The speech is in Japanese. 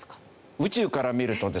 宇宙から見るとですね